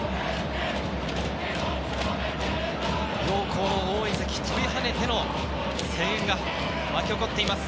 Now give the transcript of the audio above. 両校の応援席、飛び跳ねての声援が沸き起こっています。